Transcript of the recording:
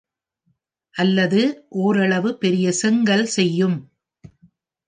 அல்லது ஓரளவு பெரிய செங்கல் செய்யும்.